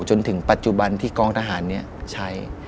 จนถึงปัจจุบันที่กองทหารนี้ใช้